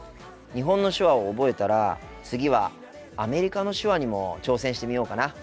日本の手話を覚えたら次はアメリカの手話にも挑戦してみようかな。